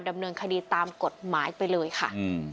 ดำเนินคดีตามกฎหมายไปเลยค่ะ